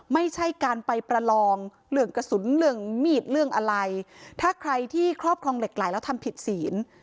ไม่ใช่การไปประลองเรื่องกระสุนเรื่องมีดเรื่องอะไรถ้าใครที่ครอบครองเหล็กไหลแล้วทำผิดศีล